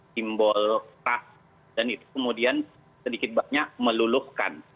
simbol keras dan itu kemudian sedikit banyak meluluhkan